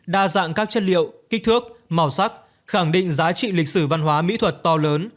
đa dạng các chất liệu kích thước màu sắc khẳng định giá trị lịch sử văn hóa mỹ thuật to lớn